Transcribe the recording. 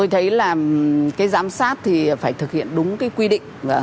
thế là cái giám sát thì phải thực hiện đúng cái quy định